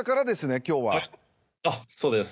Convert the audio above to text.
あっそうです。